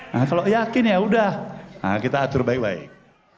nah kalau yakin yaudah kita atur baik baik